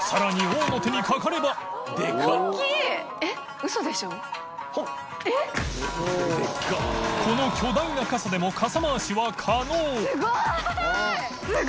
海巨大な傘でも傘回しは可能森川）